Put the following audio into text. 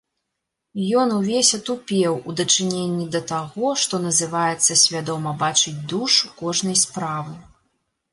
Ён увесь атупеў у дачыненні да таго, што называецца свядома бачыць душу кожнай справы.